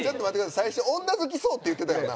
最初女好きそうって言ってたやんな。